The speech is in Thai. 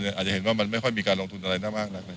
อาจจะเห็นว่ามันไม่ค่อยมีการลงทุนอะไรนะมากนัก